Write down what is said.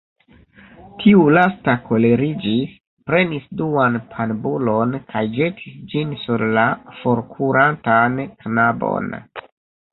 Tiu lasta koleriĝis, prenis duan panbulon kaj ĵetis ĝin sur la forkurantan knabon.